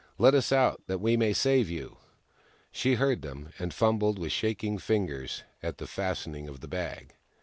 " Let us out, that we may save you !" She heard them, and fumbled with shaking fingers at the fastening of the bag.